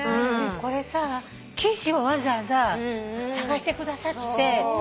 これさ生地をわざわざ探してくださって。